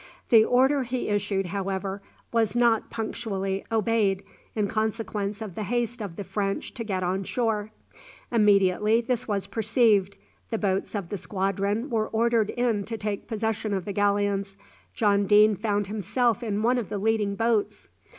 The order he issued, however, was not punctually obeyed, in consequence of the haste of the French to get on shore. Immediately this was perceived, the boats of the squadron were ordered in to take possession of the galleons. John Deane found himself in one of the leading boats.